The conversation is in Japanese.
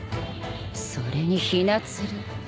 それに雛鶴。